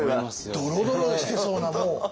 ドロドロしてそうなもう。